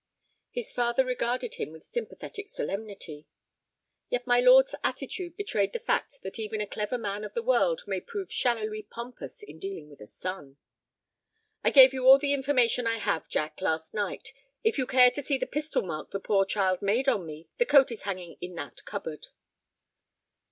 His father regarded him with sympathetic solemnity. Yet my lord's attitude betrayed the fact that even a clever man of the world may prove shallowly pompous in dealing with a son. "I gave you all the information I have, Jack, last night. If you care to see the pistol mark the poor child made on me, the coat is hanging in that cupboard."